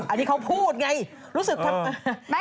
อันนี้เขาพูดไง